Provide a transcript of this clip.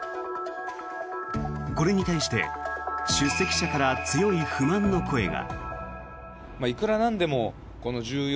これに対して出席者から強い不満の声が。